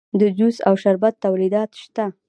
د جوس او شربت تولیدات شته